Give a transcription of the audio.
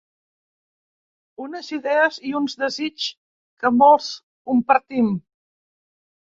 Unes idees i uns desigs que molts compartim.